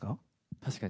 確かに。